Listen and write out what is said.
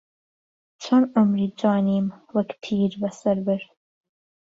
چۆن عومری جوانیم وەک پیربەسەر برد